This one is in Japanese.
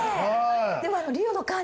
でも